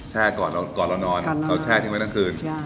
เช่ก่อนก่อนเรานอนเอาเช่ที่ไว้ตั้งคืน